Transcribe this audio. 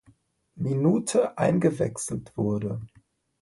Minute eingewechselt wurde.